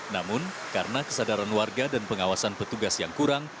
namun karena kesadaran warga dan pengawasan petugas yang kurang